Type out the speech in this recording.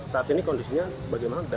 saat ini kondisinya bagaimana